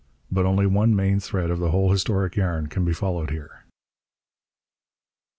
But only one main thread of the whole historic yarn can be followed here.